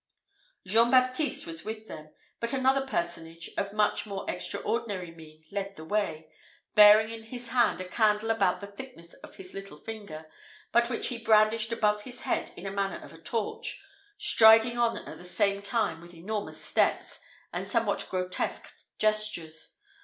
Jean Baptiste was with them; but another personage of much more extraordinary mien led the way, bearing in his hand a candle about the thickness of his little finger, but which he brandished above his head in the manner of a torch, striding on at the same time with enormous steps, and somewhat grotesque gestures.